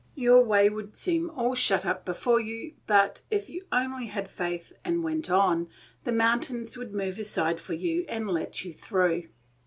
Your way would seem all shut up before you, but, if you only had faith and went on, the mountains would move aside for you and let you through.